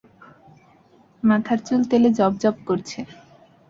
মাথার চুল তেলে জবজব করছে।